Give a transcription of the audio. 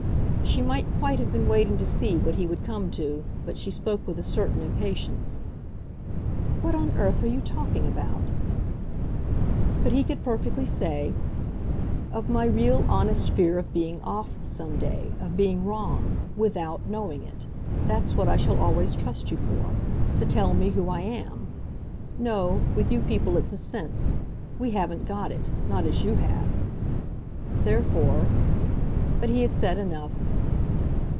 She might quite have been waiting to see what he would come to, but she spoke with a certain impatience. "What on earth are you talking about?" But he could perfectly say: "Of my real, honest fear of being 'off' some day, of being wrong, WITHOUT knowing it. That's what I shall always trust you for to tell me when I am. No with you people it's a sense. We haven't got it not as you have. Therefore !" But he had said enough.